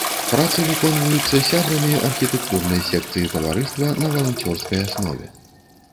Працы выконваюцца сябрамі архітэктурнай секцыі таварыства на валанцёрскай аснове.